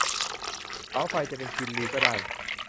เสาไฟจะเป็นกินรีก็ได้